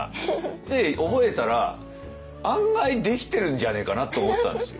で覚えたら案外できてるんじゃねえかなと思ったんですよ。